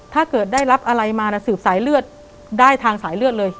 ถ้าเกิดได้รับอะไรมาสืบสายเลือดได้ทางสายเลือดเลย